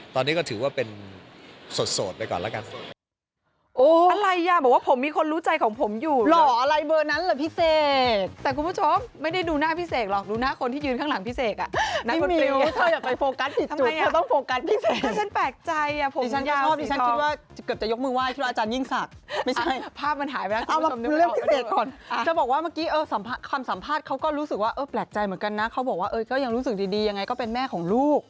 ตอนนี้ก็ถือว่าเป็นโสดไปก่อนแล้วกัน